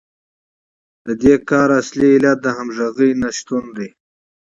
د دې کار اصلي علت د همغږۍ نشتون دی